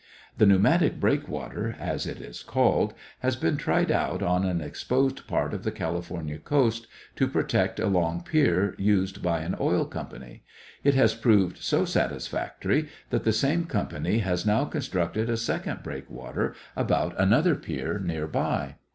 The "pneumatic breakwater," as it is called, has been tried out on an exposed part of the California coast, to protect a long pier used by an oil company. It has proved so satisfactory that the same company has now constructed a second breakwater about another pier near by.